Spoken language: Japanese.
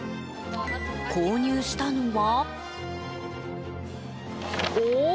購入したのは。